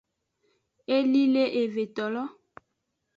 Eli le evetolo.